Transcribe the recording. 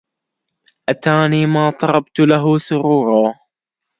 أتاني ما طربت له سرورا